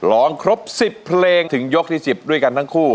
ร้องครบ๑๐เพลงถึงยกที่๑๐ด้วยกันทั้งคู่